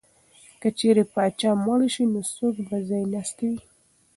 که چېرې پاچا مړ شي نو څوک به ځای ناستی وي؟